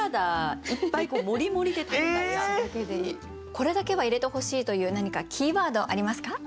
これだけは入れてほしいという何かキーワードありますか？